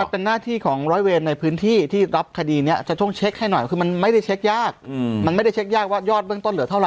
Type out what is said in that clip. มันเป็นหน้าที่ของร้อยเวรในพื้นที่ที่รับคดีนี้จะต้องเช็คให้หน่อยคือมันไม่ได้เช็คยากมันไม่ได้เช็คยากว่ายอดเบื้องต้นเหลือเท่าไห